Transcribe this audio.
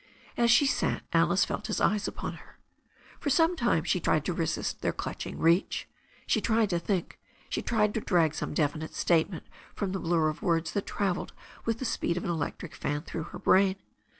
As she sat, Alice felt his eyes upon her. For some time she tried to resist their clutching reach. She tried to think. She tried to drag some definite statement from the blurr of words that travelled with the speed of an electric fan through her brain.